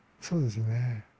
そうですね。